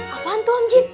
apaan tuh om jun